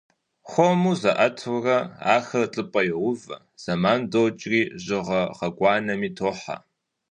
Хуэму заIэтурэ ахэр лIыпIэ йоувэ, зэман докIри жьыгъэ гъуэгуанэми тохьэ.